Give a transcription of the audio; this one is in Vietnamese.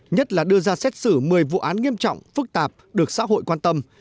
nhất là đưa ra xét xử một mươi vụ án nghiêm trọng phức tạp được xã hội quan tâm